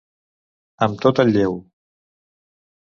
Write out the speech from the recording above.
Amb tot el lleu.